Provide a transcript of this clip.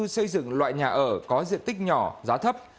xây dựng loại nhà ở có diện tích nhỏ giá thấp